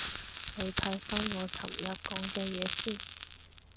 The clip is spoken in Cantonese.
你睇返我尋日講嘅嘢先